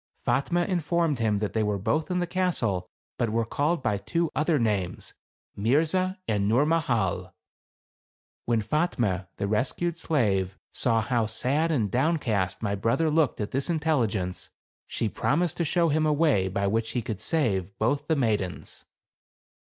Fatme informed him that they were both in the castle, but were called by two other names — Mirza and Nurmahal. When Fatme, the rescued slave, saw how sad THE CAB AVAN. 183 and downcast my brother looked at this intelli gence, she promised to show him a way by which he could save both the maidens.